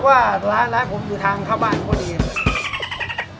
เพราะว่าร้านผมอยู่ทางข้าวบ้านทุกคนดี